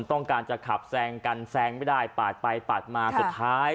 ต้องการจะขับแซงกันแซงไม่ได้ปาดไปปาดมาสุดท้าย